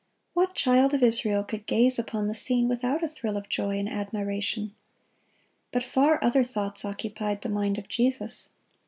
What child of Israel could gaze upon the scene without a thrill of joy and admiration! But far other thoughts occupied the mind of Jesus.